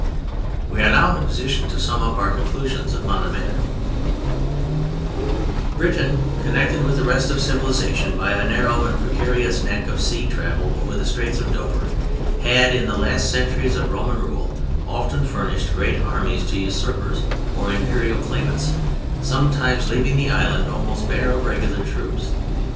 We are now in a position to sum up our conclusions upon the matter: Britain, connected with the rest of civilization by a narrow and precarious neck of sea travel over the Straits of Dover, had, in the last centuries of Roman rule, often furnished great armies to usurpers or Imperial claimants, sometimes leaving the Island almost bare of regular troops.